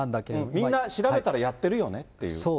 みんな調べたらやってるよねっていう。